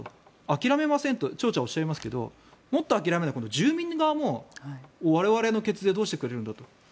諦めませんと町長はおっしゃいますけどもっと諦められないのは住民側も我々の血税をどうしてくれるんだと。